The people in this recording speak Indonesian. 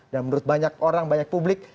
dan menurut banyak orang banyak publik